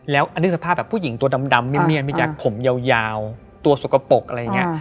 แล้วอันนี้สภาพแบบผู้หญิงตัวดำเมียนพี่แจ๊คผมยาวตัวสกปรกอะไรอย่างนี้